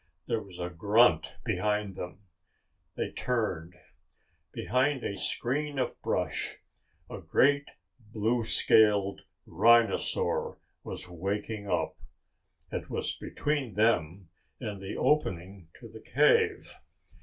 There was a grunt behind them. They turned. Behind a screen of brush, a great blue scaled rhinosaur was waking up. It was between them and the opening to the cave.